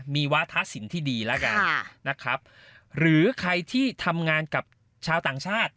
มีวาทะสินที่ดีแล้วกันนะครับหรือใครที่ทำงานกับชาวต่างชาติ